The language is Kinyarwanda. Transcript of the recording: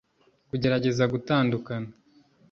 kugerageza gutandukana